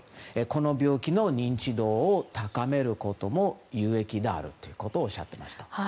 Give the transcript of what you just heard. この病気の認知度を高めることも有益であるということをおっしゃっていました。